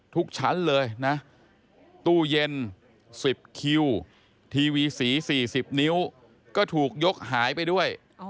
ทุกชั้นเลยนะตู้เย็น๑๐คิวทีวีสี๔๐นิ้วก็ถูกยกหายไปด้วย